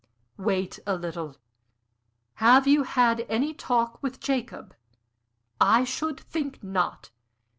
"Wait a little. Have you had any talk with Jacob?" "I should think not!